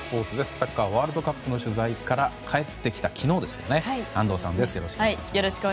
サッカーワールドカップの取材から帰ってきた安藤さんです。